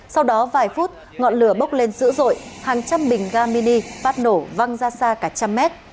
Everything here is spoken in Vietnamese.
sau đó vài phút ngọn lửa bốc lên dữ dội hàng trăm bình ga mini phát nổ văng ra xa cả trăm mét